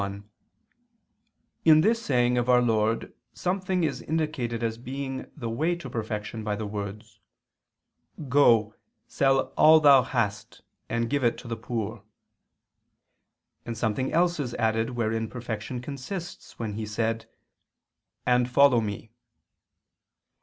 1: In this saying of our Lord something is indicated as being the way to perfection by the words, "Go, sell all thou hast, and give to the poor"; and something else is added wherein perfection consists, when He said, "And follow Me."